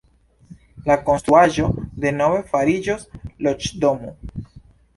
La konstruaĵo denove fariĝos loĝdomo.